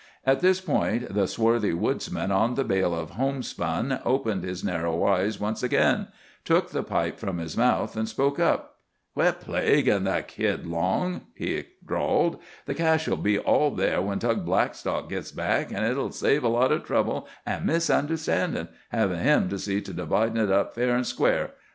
At this point the swarthy woodsman on the bale of homespun opened his narrow eyes once again, took the pipe from his mouth, and spoke up. "Quit plaguin' the kid, Long," he drawled. "The cash'll be all there when Tug Blackstock gits back, an' it'll save a lot of trouble an' misunderstandin', havin' him to see to dividin' it up fair an' square.